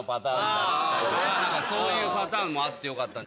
そういうパターンもあってよかった。